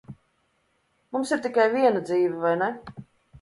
Mums ir tikai viena dzīve, vai ne?